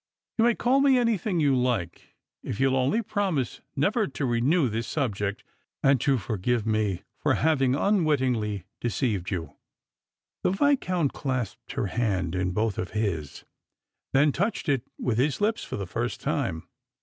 " You may call me anything you like, if you'll only pro nise never to renew this subject, and to forgive me for having un wittingly deceived you." The Viscount clasped her hand in both of his, then touched it with his lips for the first time.